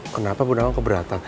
kenapa bu nawang keberatan